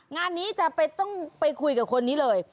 งานนี้จะต้องไปคุยกับคนนี้เลย